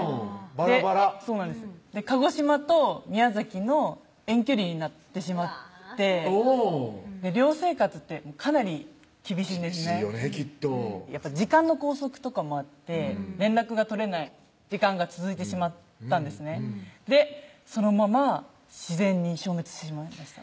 バラバラ鹿児島と宮崎の遠距離になってしまって寮生活ってかなり厳しいんですね厳しいよねきっとやっぱ時間の拘束とかもあって連絡が取れない時間が続いてしまったんですねでそのまま自然に消滅してしまいました